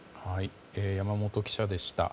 山本記者でした。